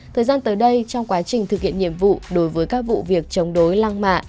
thời gian tới đây trong quá trình thực hiện nhiệm vụ đối với các vụ việc chống đối lăng mạ